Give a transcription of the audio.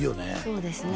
そうですね